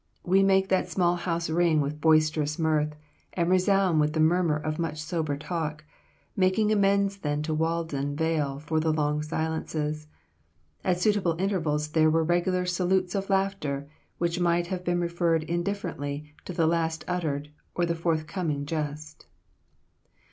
We made that small house ring with boisterous mirth, and resound with the murmur of much sober talk, making amends then to Walden vale for the long silences. At suitable intervals there were regular salutes of laughter, which might have been referred indifferently to the last uttered or the forthcoming jest."